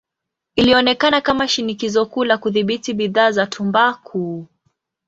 Ilionekana kama shinikizo kuu la kudhibiti bidhaa za tumbaku.